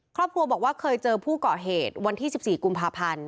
ครอบครัวบอกว่าเคยเจอผู้เกาะเหตุวันที่๑๔กุมภาพันธ์